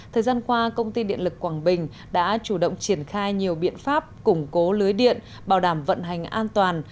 thời gian qua công ty điện lực quảng bình đã chủ động triển khai nhiều biện pháp củng cố lưới điện bảo đảm vận hành an toàn